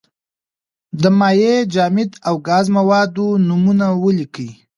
د مایع، جامد او ګاز موادو نومونه ولیکئ.